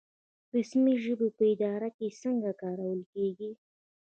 رسمي ژبې په اداره کې څنګه کارول کیږي؟